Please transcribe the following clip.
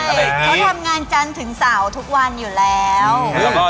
เขาทำงานจามถึงเสาร์ทุกวันอยู่แล้ว